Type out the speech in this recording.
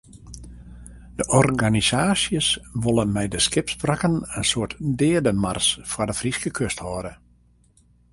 De organisaasjes wolle mei de skipswrakken in soart deademars foar de Fryske kust hâlde.